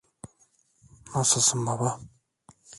Nasılsın baba?